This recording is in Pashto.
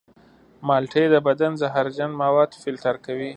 مالټې د بدن زهرجن مواد فلتر کوي.